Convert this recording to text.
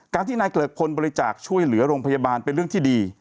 ที่นายเกลิกพลบริจาคช่วยเหลือโรงพยาบาลเป็นเรื่องที่ดี